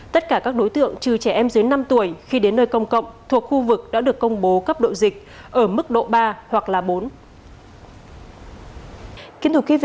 tất cả các đối tượng trừ trẻ em dưới năm tuổi khi đến nơi công cộng thuộc khu vực đã được công bố cấp độ dịch ở mức độ ba hoặc là bốn